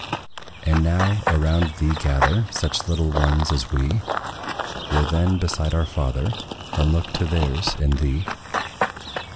And now, around thee gather Such little ones as we Were then, beside our father, And look to theirs in thee.